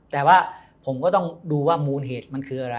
แต่ว่าผมก็ต้องดูว่ามูลเหตุมันคืออะไร